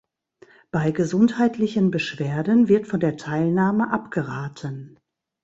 Bei gesundheitlichen Beschwerden wird von der Teilnahme abgeraten.